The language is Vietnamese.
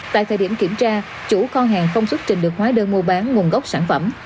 tại thời điểm kiểm tra chủ kho hàng không xuất trình được hóa đơn mua bán nguồn gốc sản phẩm